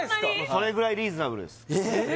それぐらいリーズナブルです・えーっ！？